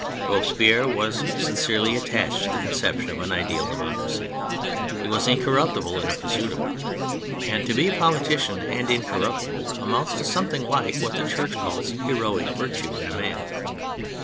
Robespierre was sincerely attached to the conception of an ideal democracy; he was incorruptible in the pursuit of it — and to be a politician and incorruptible amounts to something like what the Church calls heroic virtue in a man.